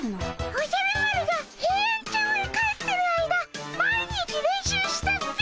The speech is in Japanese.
おじゃる丸がヘイアンチョウへ帰ってる間毎日練習したっピ。